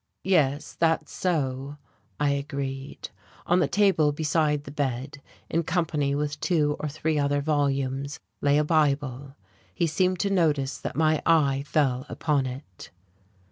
"Yes, that's so," I agreed. On the table beside the bed in company with two or three other volumes, lay a Bible. He seemed to notice that my eye fell upon it.